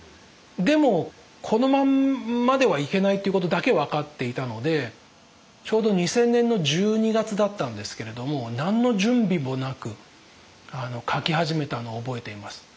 でもこのまんまではいけないっていうことだけ分かっていたのでちょうど２０００年の１２月だったんですけれども何の準備もなく書き始めたのを覚えています。